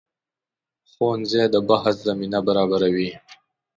ښوونځی د بحث زمینه برابروي